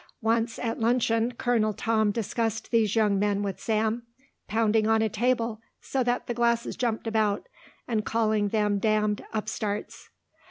Once, at luncheon, Colonel Tom discussed these young men with Sam, pounding on a table so that the glasses jumped about, and calling them damned upstarts.